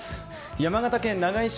山形県長井市